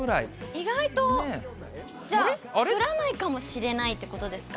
意外と、じゃあ降らないかもしれないということですか？